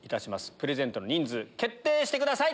プレゼントの人数決定してください。